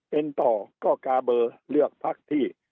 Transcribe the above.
เป็นต่อก็กาเบอร์เลือกพักที่